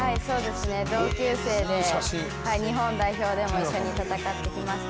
同級生で、日本代表でも一緒に戦ってきました。